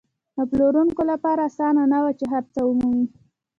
د پلورونکو لپاره اسانه نه وه چې هر څه ومومي.